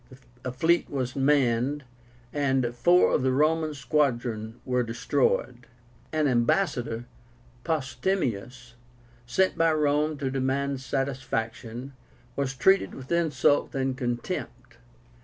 A fleet was manned, and four of the Roman squadron were destroyed. An ambassador, Postumius, sent by Rome to demand satisfaction, was treated with insult and contempt.